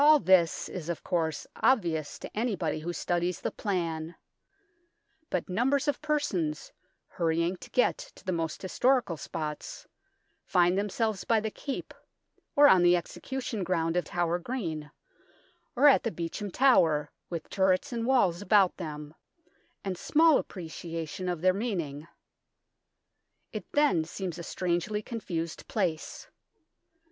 All this is, of course, obvious to anybody who studies the plan. But numbers of persons, hurrying to get to the most historical spots, find themselves by the Keep, or on the execution ground of Tower Green, or at the ^ Beauchamp Tower, with turrets and walls about them, and small appreciation of their meaning. It then seems a strangely confused place.